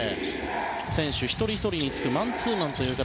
選手一人ひとりにつくマンツーマンという形。